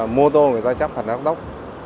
mô tô người ta chấp hành rất tốt